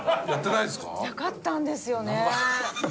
なかったんですよね。